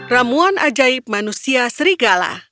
ramuan ajaib manusia serigala